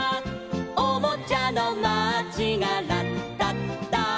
「おもちゃのマーチがラッタッタ」